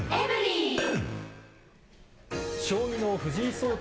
将棋の藤井聡太